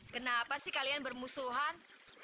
kenapa sih kalian bermusuhan